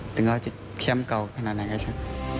ถึงเราจะแชมป์เก่าขนาดนั้นก็ใช่